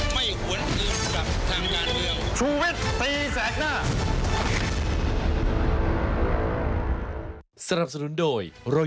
ไม่หวนอื่นกับทางงานเดียว